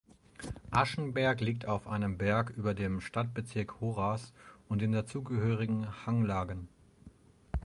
Aschenberg liegt auf einem Berg über dem Stadtbezirk Horas und den dazugehörigen Hanglagen.